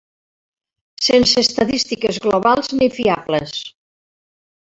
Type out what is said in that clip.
Sense estadístiques globals ni fiables.